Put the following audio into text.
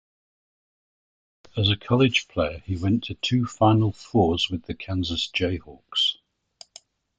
As a college player, he went to two Final Fours with the Kansas Jayhawks.